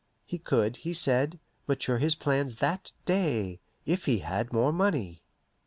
He could, he said, mature his plans that day, if he had more money.